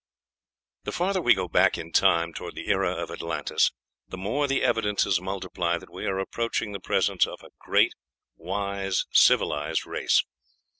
The farther we go back in time toward the era of Atlantis, the more the evidences multiply that we are approaching the presence of a great, wise, civilized race.